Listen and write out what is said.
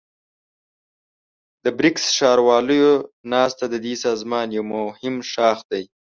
د بريکس ښارواليو ناسته ددې سازمان يو مهم ښاخ دی.